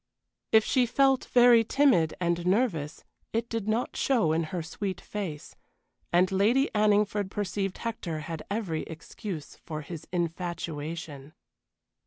If she felt very timid and nervous it did not show in her sweet face, and Lady Anningford perceived Hector had every excuse for his infatuation.